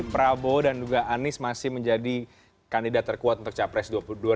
prabowo dan juga anies masih menjadi kandidat terkuat untuk capres dua ribu dua puluh